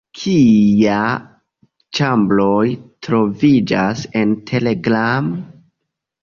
Kiaj ĉambroj troviĝas en Telegram?